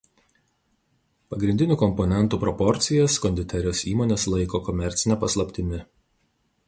Pagrindinių komponentų proporcijas konditerijos įmonės laiko komercine paslaptimi.